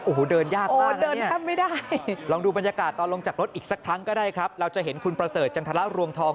โอ้โหเดินยากมากเดินแทบไม่ได้ลองดูบรรยากาศตอนลงจากรถอีกสักครั้งก็ได้ครับเราจะเห็นคุณประเสริฐจันทรรวงทอง